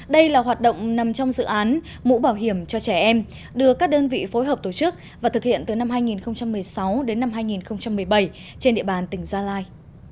đây là hoạt động nằm trong dự án mũ bảo hiểm cho trẻ em được các đơn vị phối hợp tổ chức và thực hiện từ năm hai nghìn một mươi sáu đến năm hai nghìn một mươi bảy trên địa bàn tỉnh gia lai